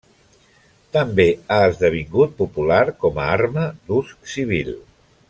També ha esdevingut popular com a arma d'ús civil.